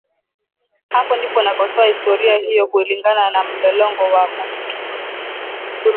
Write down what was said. Hapo ndipo nakosoa historia hiyo kulingana na mlolongo wa matukio